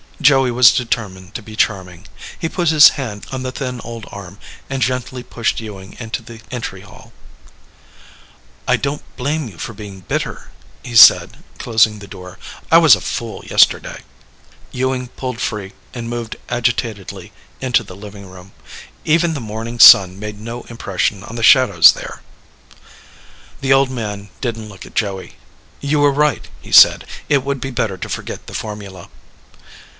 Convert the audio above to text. Joey was determined to be charming. He put his hand on the thin old arm and gently pushed Ewing into the entry hall. "I don't blame you for being bitter," he said, closing the door. "I was a fool yesterday." Ewing pulled free and moved agitatedly into the living room. Even the morning sun made no impression on the shadows there. The old man didn't look at Joey. "You were right," he said. "It would be better to forget the formula."